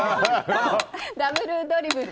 ダブルドリブル。